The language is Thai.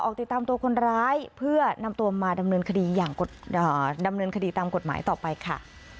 ออกติดตามตัวคนร้ายเพื่อนำตัวมาดำเนินคดีตามกฎหมายต่อไปค่ะ